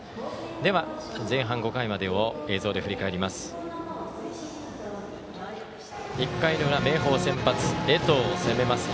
では、前半５回までを映像で振り返ります。